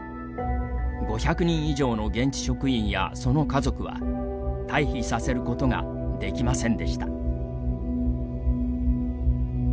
５００人以上の現地職員やその家族は退避させることができませんでした。